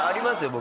僕。